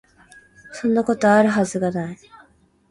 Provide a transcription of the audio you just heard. そんなこと、有る筈が無い